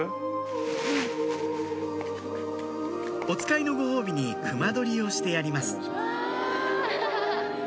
おつかいのご褒美に隈取りをしてやります